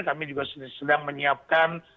kami juga sedang menyiapkan